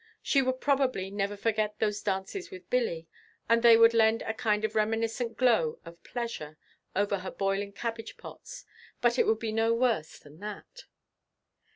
She would probably never forget those dances with Billy, and they would lend a kind of reminiscent glow of pleasure over her boiling cabbage pots, but it would be no worse than that.